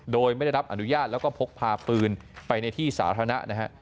โดยไม่ได้รับอนุญาตแล้วก็พกพาปืนไปในที่สาธารณะนะฮะ